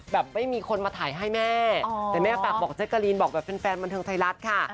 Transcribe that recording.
แบบไม่มีคนมาถ่ายให้แม่แต่แม่แบบบอกแจ๊กน้อยบอกแบบเป็นแฟนบันเทิงไซรัสค่ะ